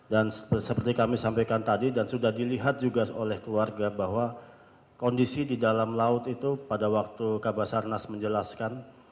dan seperti kami sampaikan tadi dan sudah dilihat juga oleh keluarga bahwa kondisi di dalam laut itu pada waktu kabasarnas menjelaskan